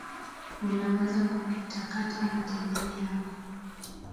unaweza kukatakata matembele yako